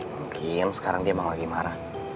mungkin sekarang dia emang lagi marah